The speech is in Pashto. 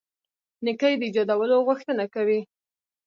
نېکۍ د ایجادولو غوښتنه کوي.